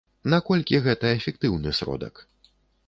Наколькі гэта эфектыўны сродак?